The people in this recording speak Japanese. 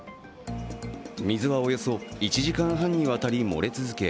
水はおよそ１時間半にわたり漏れ続け